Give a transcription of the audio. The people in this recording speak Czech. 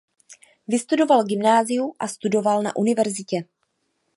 Vystudoval gymnázium a studoval na univerzitě.